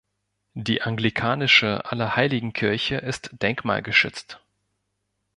Die anglikanische Allerheiligenkirche ist denkmalgeschützt.